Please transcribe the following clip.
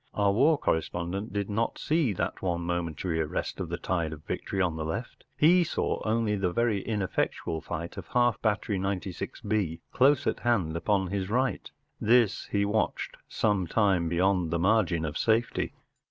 Our war corre¬ spondent did not see that one momentary arrest of the tide of victory on the left ; he saw only the very ineffectual fight of half¬ battery 96B close at hand upon his right This he watched some time beyond the margin of safety.